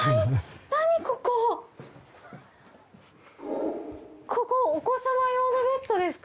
ここお子様用のベッドですか？